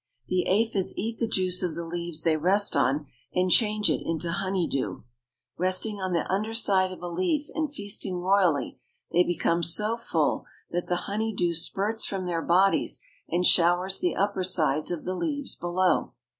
The aphides eat the juice of the leaves they rest on and change it into honey dew. Resting on the under side of a leaf and feasting royally, they become so full that the honey dew spurts from their bodies and showers the upper sides of the leaves below.